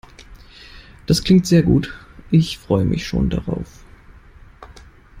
Das klingt sehr gut. Ich freue mich schon darauf.